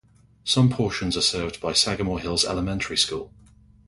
Some portions are served by Sagamore Hills Elementary School.